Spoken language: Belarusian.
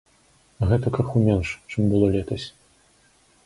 Гэта крыху менш, чым было летась.